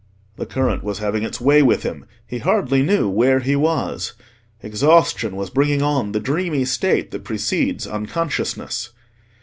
The current was having its way with him: he hardly knew where he was: exhaustion was bringing on the dreamy state that precedes unconsciousness.